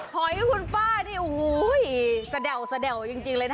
พอให้คุณป้านี่สะแด่วจริงเลยนะ